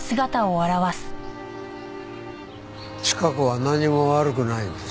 チカ子は何も悪くないんです。